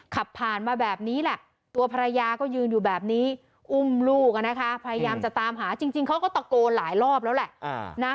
ขับผ่านมาแบบนี้แหละตัวภรรยาก็ยืนอยู่แบบนี้อุ้มลูกอ่ะนะคะพยายามจะตามหาจริงเขาก็ตะโกนหลายรอบแล้วแหละ